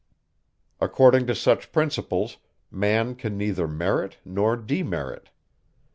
According to such principles, man can neither merit nor demerit.